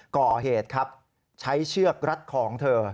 ก่อเหตุครับใช้เชือกรัดของเธอ